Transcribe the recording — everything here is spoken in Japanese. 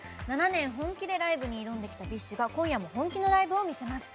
７年、本気でライブに挑んできたＢｉＳＨが今夜も本気のライブを見せます。